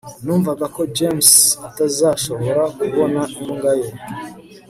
numvaga ko james atazashobora kubona imbwa ye